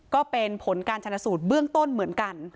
ก็เป็นผลการชนสูตรเบื้องต้นเหมือนกัน